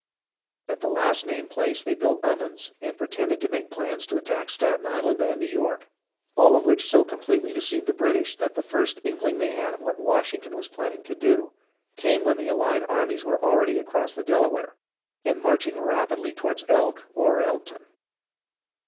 At the last named place they built ovens and pretended to make plans to attack Staten Island and New York, all of which so completely deceived the British that the first inkling they had of what Wash ington was planning to do came when the allied armies were already across the Delaware and marching rapidly toward Elk or Elkton.